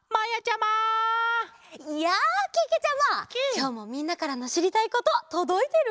きょうもみんなからのしりたいこととどいてる？